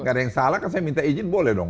nggak ada yang salah kan saya minta izin boleh dong